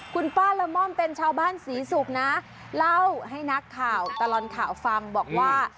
คุณป้าละม่อมเป็นชาวบ้านศรีศุกร์นะเล่าให้นักข่าวตลอดข่าวฟังบอกว่า